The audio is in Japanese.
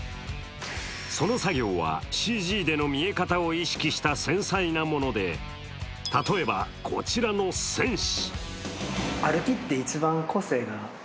その作業は、ＣＧでの見え方を意識した繊細なもので例えば、こちらの戦士。